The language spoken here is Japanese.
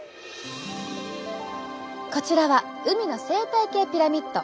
こちらは海の生態系ピラミッド。